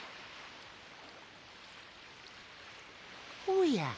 おや？